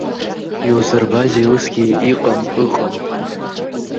Иузырбазеи усгьы иҟам ыҟан?